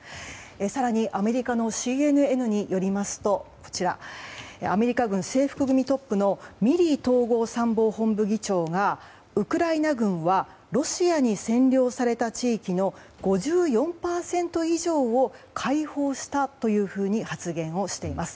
更にアメリカのＣＮＮによりますとアメリカ軍制服組トップのミリー統合参謀本部議長がウクライナ軍はロシアに占領された地域の５４％以上を解放したというふうに発言しています。